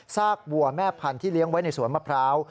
กวัวแม่พันธุ์ที่เลี้ยงไว้ในสวนมะพร้าว